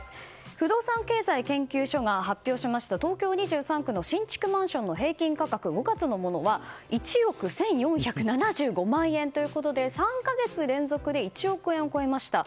不動産経済研究所が発表しました東京２３区の新築マンションの平均価格５月のものは１億１４７５万円ということで３か月連続で１億円を超えました。